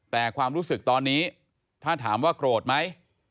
แต่ความรู้สึกตอนนี้ถ้าถามว่าโกรธไหม